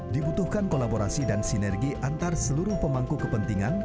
dibutuhkan kolaborasi dan sinergi antar seluruh pemangku kepentingan